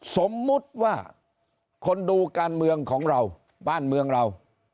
สมมุติว่าคนดูการเมืองของเราบ้านเมืองเรา